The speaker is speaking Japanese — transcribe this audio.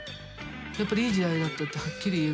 やっぱりいい時代だったってはっきり言えると思いますね。